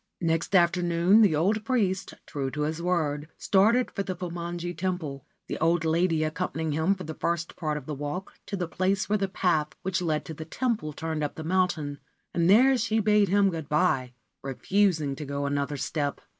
Next afternoon the old priest, true to his word, started for the Fumonji Temple, the old lady accompanying him for the first part of the walk, to the place where the path which led to the temple turned up the mountain, and there she bade him good bye, refusing to go another step.